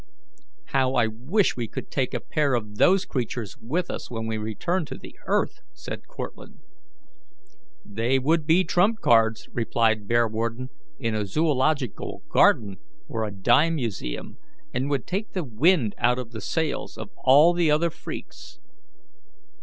"How I wish we could take a pair of those creatures with us when we return to the earth!" said Cortlandt. "They would be trump cards," replied Bearwarden, "in a zoological garden or a dime museum, and would take the wind out of the sails of all the other freaks."